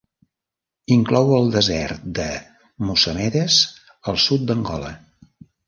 Inclou el desert de Mossamedes del sud d'Angola.